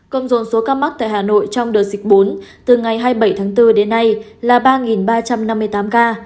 công dồn số ca mắc tại hà nội trong đợt dịch bốn từ ngày hai mươi bảy tháng bốn đến nay là ba ba trăm năm mươi tám ca